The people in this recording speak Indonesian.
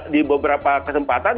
di beberapa kesempatan